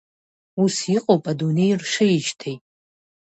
Ус иҟоуп адунеи ршеижьҭеи.